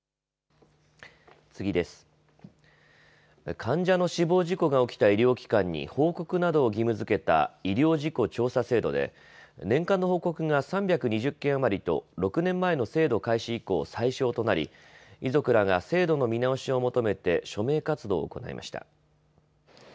患者の死亡事故が起きた医療機関に報告などを義務づけた医療事故調査制度で年間の報告が３２０件余りと６年前の制度開始以降、最少となり遺族らが制度の見直しを求めて署名活動を行いました。